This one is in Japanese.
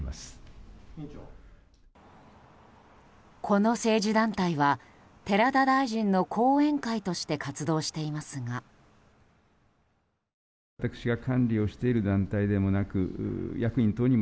この政治団体は寺田大臣の後援会として活動していますが。